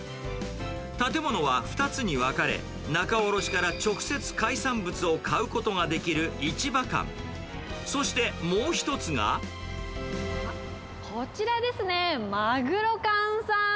建物は２つに分かれ、仲卸から直接海産物を買うことができるいちば館、そしてもう一つこちらですね。